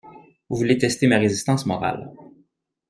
Vous voulez tester ma résistance morale.